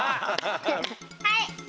はい！